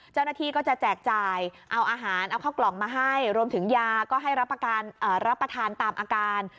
เจ้าหน้าที่ก็จะแจกจ่ายเอาอาหารเอาข้าวกล่องมาให้รวมถึงยาก็ให้รับประทานตามอาการ